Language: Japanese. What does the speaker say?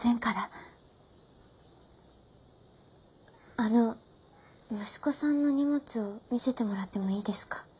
あの息子さんの荷物を見せてもらってもいいですか？